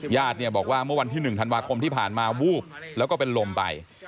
ญาติเนี่ยบอกว่าเมื่อวันที่๑ธันวาคมที่ผ่านมาวูบแล้วก็เป็นลมไป